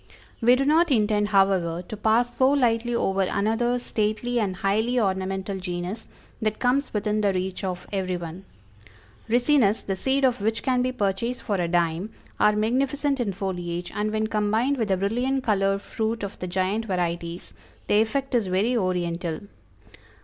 We do not intend however to pass so lightly over another stately and highly ornamental genus that comes within the reach of everyone. Ricinus, the seed of which can be purchased for a dime, are magnificent in foliage, and when combined with the brilliant colored fruit of the giant varieties, the effect is very oriental.